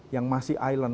yang masih island